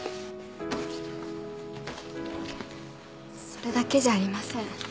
それだけじゃありません。